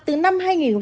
từ năm hai nghìn sáu